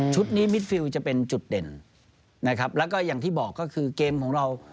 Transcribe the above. นี้มิดฟิลจะเป็นจุดเด่นนะครับแล้วก็อย่างที่บอกก็คือเกมของเรา